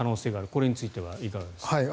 これについてはいかがでしょうか。